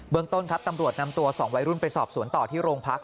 ต้นครับตำรวจนำตัว๒วัยรุ่นไปสอบสวนต่อที่โรงพัก